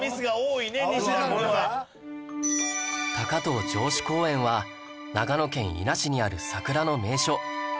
高遠城址公園は長野県伊那市にある桜の名所